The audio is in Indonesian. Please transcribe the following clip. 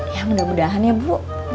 ya mudah mudahan ya bu